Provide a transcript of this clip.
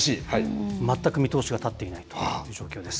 全く見通しが立っていないという状況です。